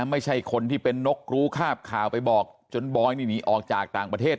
ไม่ใช่คนที่เป็นนกรู้คาบข่าวไปบอกจนบอยนี่หนีออกจากต่างประเทศ